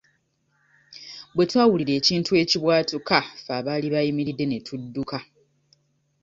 Bwe twawulira ekintu ekibwatuka ffe abaali bayimiridde ne tudduka.